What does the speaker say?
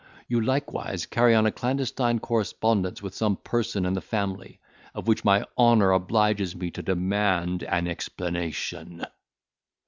You likewise carry on a clandestine correspondence with some person in the family, of which my honour obliges me to demand an explanation."